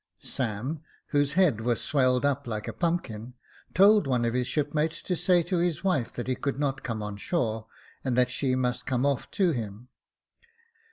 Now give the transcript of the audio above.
Sam, whose head was swelled up like a pumpkin, told one of his shipmates to say to his wife that he could not come on shore, and that she must come off to him.